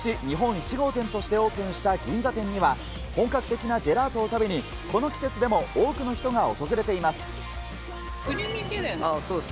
１号店としてオープンした銀座店には、本格的なジェラートを食べに、この季節でも多くの人が訪れています。